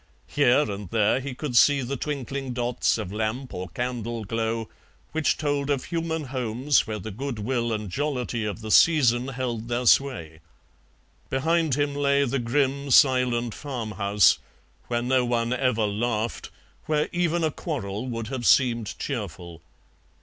Here and there he could see the twinkling dots of lamp or candle glow which told of human homes where the goodwill and jollity of the season held their sway. Behind him lay the grim, silent farm house, where no one ever laughed, where even a quarrel would have seemed cheerful.